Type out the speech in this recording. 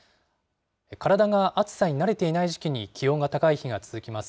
体が暑さに慣れていない時期に気温が高い日が続きます。